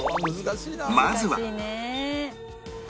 まずは